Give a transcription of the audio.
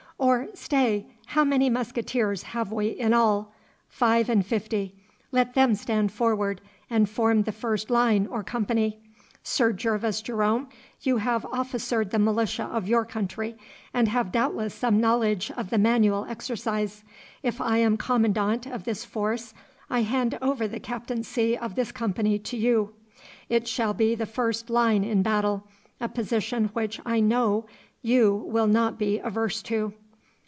Or stay how many musketeers have we in all? Five and fifty. Let them stand forward, and form the first line or company. Sir Gervas Jerome, you have officered the militia of your county, and have doubtless some knowledge of the manual exercise. If I am commandant of this force I hand over the captaincy of this company to you. It shall be the first line in battle, a position which I know you will not be averse to.